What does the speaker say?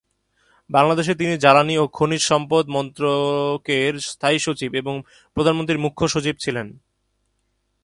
বাংলাদেশে তিনি জ্বালানি ও খনিজ সম্পদ মন্ত্রকের স্থায়ী সচিব এবং প্রধানমন্ত্রীর মূখ্য সচিব ছিলেন।